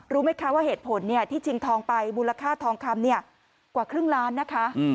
รู้ไหมคะว่าเหตุผลที่ชิงทองไปมูลค่าทองคำกว่าครึ่งล้านนะคะ